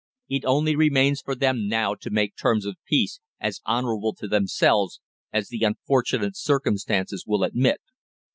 It only remains for them now to make terms of peace as honourable to themselves as the unfortunate circumstances will admit.